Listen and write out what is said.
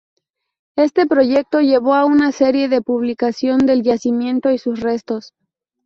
Este proyecto llevó a una serie de publicación del yacimiento y sus restos.